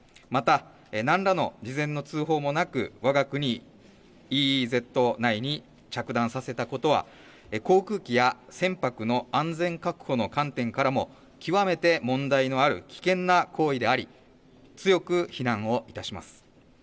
また、何らの事前の通報もなくわが国ＥＥＺ内に着弾させたことは航空機や船舶の安全確保の観点からも極めて問題のある危険な行為であり強く非難をいたします。